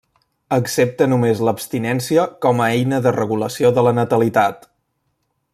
Accepta només l'abstinència com a eina de regulació de la natalitat.